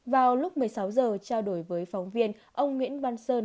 vào lúc một mươi sáu h trao đổi với phóng viên ông nguyễn văn sơn